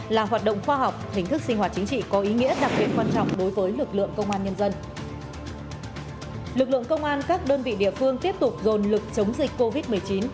lực lượng công an các đơn vị địa phương tiếp tục dồn lực chống dịch covid một mươi chín